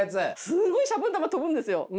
すごいシャボン玉飛ぶんですよ。